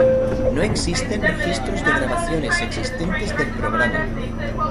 No existen registros de grabaciones existentes del programa.